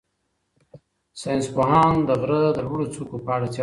ساینس پوهان د غره د لوړو څوکو په اړه څېړنه کوي.